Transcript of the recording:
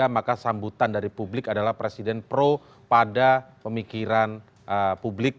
maka sambutan dari publik adalah presiden pro pada pemikiran publik